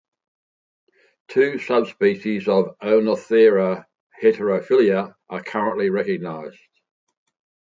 Two subspecies of "Oenothera heterophylla" are currently recognized.